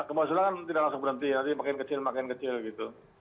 gempa susulan kan tidak langsung berhenti nanti makin kecil makin kecil gitu